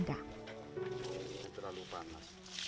tidak terlalu panas